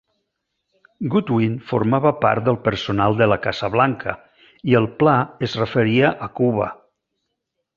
Goodwin formava part del personal de la Casa Blanca, i el pla es referia a Cuba.